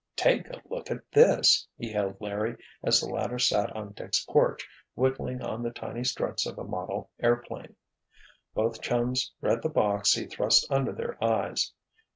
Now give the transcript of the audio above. "Take a look at this!" he hailed Larry as the latter sat on Dick's porch, whittling on the tiny struts of a model airplane. Both chums read the box he thrust under their eyes.